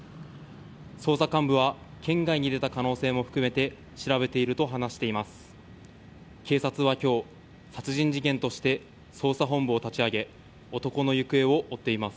捜査幹部は県外に出た可能性も含めて調べていると話しています。